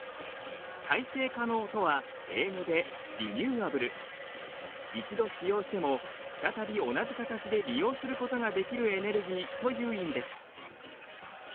再生可能とは英語で一度使用しても再び同じ形で利用することができるエネルギーという意味です。